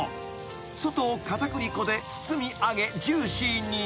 ［外を片栗粉で包み揚げジューシーに］